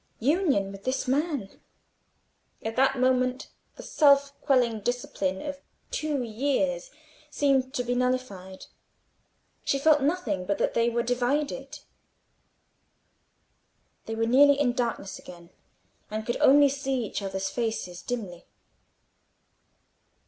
Union with this man! At that moment the self quelling discipline of two years seemed to be nullified: she felt nothing but that they were divided. They were nearly in darkness again, and could only see each other's faces dimly.